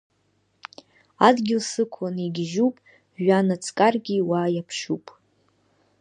Адгьыл сықәлан, игьежьуп, жәҩан аҵкаргьы уа иаԥшьуп.